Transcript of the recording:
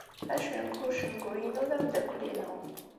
Acengu n ucengu-inu d ameddakel-inu.